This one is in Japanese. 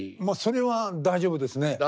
まあそれは大丈夫ですね。